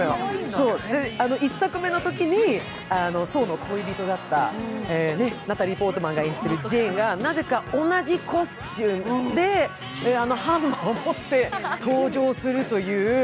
１作目のときにソーの恋人だった、ナタリー・ポートマンが演じているジェーンが、なぜか同じコスチュームであのハンマーを持って登場するという。